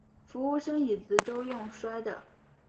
服务生椅子都用摔的